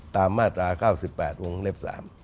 ตามมาตรา๙๘วงเล็บ๓